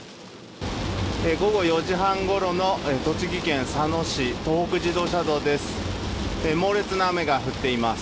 午後４時半ごろの栃木県佐野市、東北自動車道です。